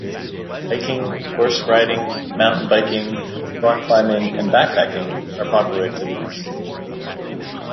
Hiking, horse-riding, mountain biking, rock climbing, and backpacking are popular activities.